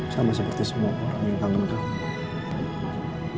sama seperti semua orang yang kangen dengan